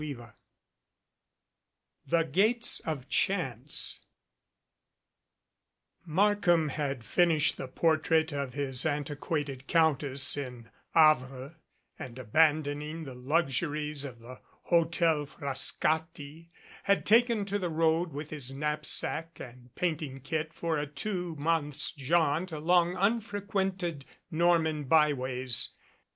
CHAPTER XI THE GATES OF CHANCE MARKHAM had finished the portrait of his anti quated countess in Havre and abandoning the luxuries of the Hotel Frascati had taken to the road with his knapsack and painting kit for a two months' jaunt along unfrequented Norman byways.